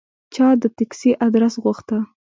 چا د تکسي آدرس غوښته.